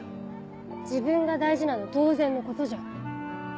自分が大事なのは当然のことじゃん。